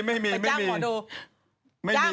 ไปจ้างหมอดู